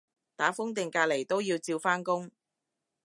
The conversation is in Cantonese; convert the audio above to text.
打風定隔離都要照返工